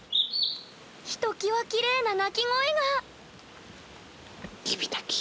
ひときわきれいな鳴き声が！